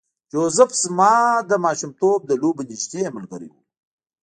جوزف زما د ماشومتوب د لوبو نږدې ملګری و